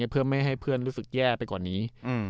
เพื่อไม่ให้เพื่อนรู้สึกแย่ไปกว่านี้